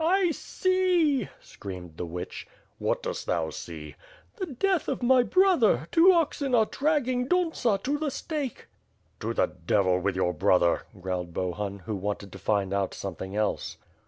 "I see," screamed the witch. 'T\rhat dost thou see?" "The death of my brother; two oxen are dragging Dontsa to the stake." "To the devil with your brother!" growled Bohun, who wanted to find out something else.